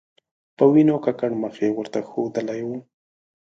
په وینو ککړ مخ یې ورته ښودلی و.